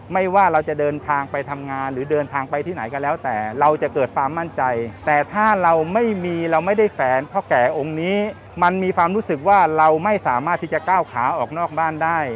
มันมีความรู้สึกว่าเราไม่สามารถที่จะก้าวขาออกนอกบ้านได้